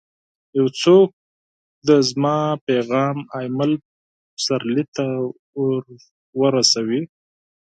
یو څوک دي زما پیغام اېمل پسرلي ته ورسوي!